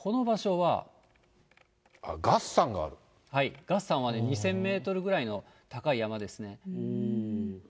はい、月山は２０００メートルぐらいの高い山ですね。